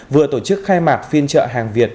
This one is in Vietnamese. vừa tổ chức khai mạc phiên chợ hàng việt